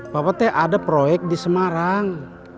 papa tak ada proyek di semarang